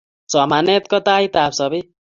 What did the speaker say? Somanet ko tait ab sobet